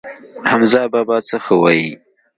حمزه بابا څه ښه وايي.